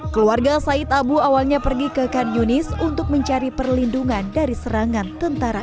keluarga said abu awalnya pergi ke khan yunis untuk mencari perlindungan dari serangan tentara